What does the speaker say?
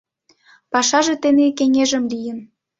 — Пашаже тений кеҥежым лийын.